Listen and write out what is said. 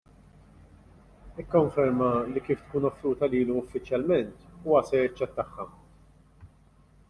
Ikkonferma li kif tkun offruta lilu uffiċjalment, huwa se jaċċettaha.